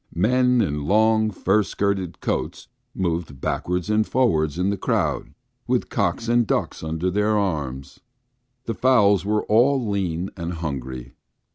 Men in long, full skirted coats move backwards and forwards in the crowd with cocks and ducks under their arms. The fowls are all lean and hungry.